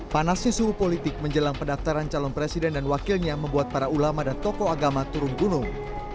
panasnya suhu politik menjelang pendaftaran calon presiden dan wakilnya membuat para ulama dan tokoh agama turun gunung